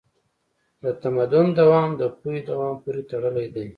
د تمدن دوام د پوهې دوام پورې تړلی دی.